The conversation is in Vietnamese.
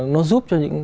nó giúp cho những